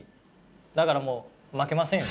だからもう負けませんよ